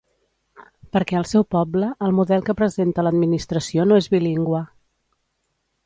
Perquè al seu poble el model que presenta l’administració no és bilingüe.